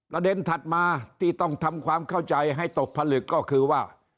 ประเด็นถัดมาที่ต้องทำความเข้าใจให้ตกผลึกก็คือว่า